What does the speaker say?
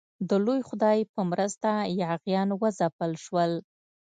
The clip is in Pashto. د لوی خدای په مرسته یاغیان وځپل شول.